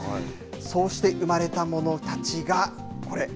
そうして生まれたものたちがこれ。